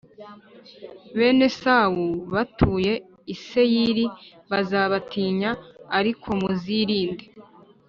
bene Esawu, batuye i Seyiri. Bazabatinya, arikomuzirinde.